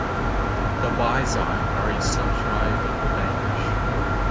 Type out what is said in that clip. The Baizai are a sub-tribe of the Bangash.